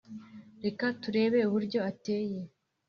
reka turebe uburyo ateye